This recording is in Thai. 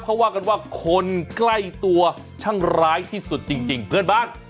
เขาว่ากันว่าคนใกล้ตัวช่างร้ายที่สุดจริงเพื่อนบ้าน